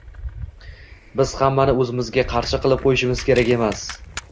Biz hammani o‘zimizga qarshi qilib qo‘yishimiz kerak emas